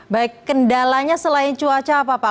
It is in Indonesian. baik kendalanya selain cuaca apa pak